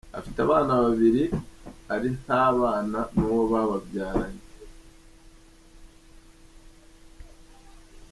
Afite abana babiri ari nta bana n’uwo bababyaranye.